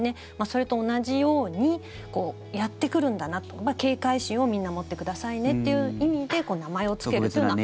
それと同じようにやってくるんだなと警戒心をみんな持ってくださいねという意味で名前をつけるというのは。